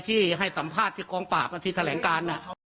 ที่ให้สัมภาษณ์ที่กองปราบที่แถลงการ